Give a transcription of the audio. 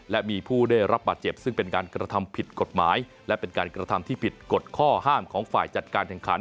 และมีผู้ได้รับบาดเจ็บซึ่งเป็นการกระทำผิดกฎหมายและเป็นการกระทำที่ผิดกฎข้อห้ามของฝ่ายจัดการแข่งขัน